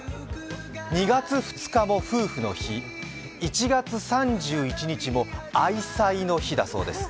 ２月２日も夫婦の日、１月３１日も愛妻の日だそうです。